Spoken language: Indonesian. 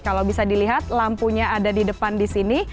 kalau bisa dilihat lampunya ada di depan di sini